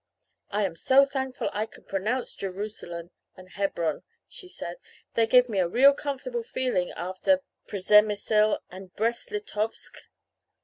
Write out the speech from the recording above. "'I am so thankful I can pronounce Jerusalem and Hebron,' she said. 'They give me a real comfortable feeling after Przemysl and Brest Litovsk!